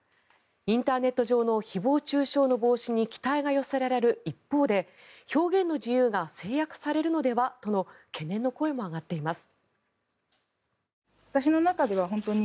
インターネット上の誹謗・中傷の防止に期待が寄せられる一方で表現の自由が制約されるのではとの懸念の声も上がっています。